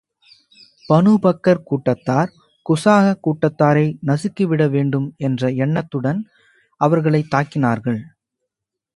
Banu பக்கர் கூட்டத்தார், குஸாஅ கூட்டத்தாரை நசுக்கி விட வேண்டும் என்ற எண்ணத்துடன் அவர்களைத் தாக்கினார்கள்.